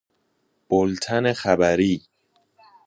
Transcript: بولتن خبری